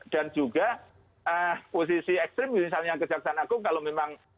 dan juga posisi ekstrim misalnya kejaksaan agung kalau memang